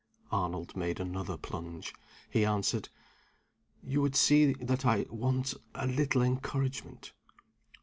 Arnold made another plunge. He answered: "You would see that I want a little encouragement."